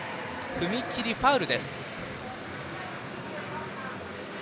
踏み切り、ファウルです。